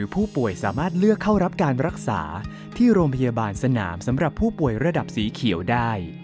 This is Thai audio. ผู้ป่วยสามารถเลือกเข้ารับการรักษาที่โรงพยาบาลสนามสำหรับผู้ป่วยระดับสีเขียวได้